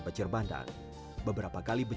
gambar main berenang itu